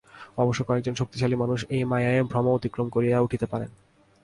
অবশ্য কয়েকজন শক্তিশালী মানুষ এই মায়ার ভ্রম অতিক্রম করিয়া উঠিতে পারেন।